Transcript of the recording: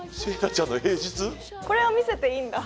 これは見せていいんだ？